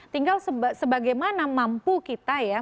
tinggal sebagaimana mampu kita ya